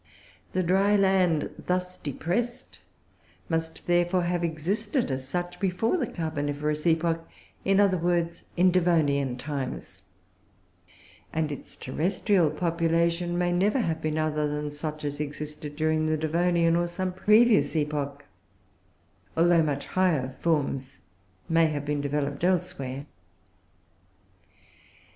The dry land thus depressed must, therefore, have existed, as such, before the Carboniferous epoch in other words, in Devonian times and its terrestrial population may never have been other than such as existed during the Devonian, or some previous epoch, although much higher forms may have been developed elsewhere.